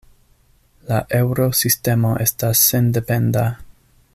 La Eŭrosistemo estas sendependa.